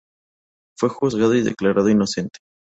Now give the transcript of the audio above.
Fue juzgado y declarado inocente.